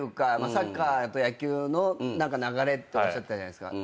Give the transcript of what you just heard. サッカーと野球の流れっておっしゃってたじゃないですか。